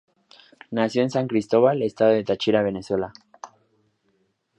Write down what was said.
Nació en San Cristóbal, estado Táchira, Venezuela.